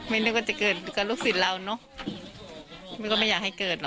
นึกว่าจะเกิดกับลูกศิษย์เราเนอะไม่ก็ไม่อยากให้เกิดหรอก